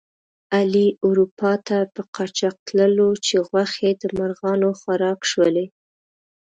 علي اروپا ته په قاچاق تللو چې غوښې د مرغانو خوراک شولې.